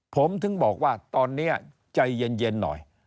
ผมถึงบอกว่าตอนนี้ใจเย็นหน่อย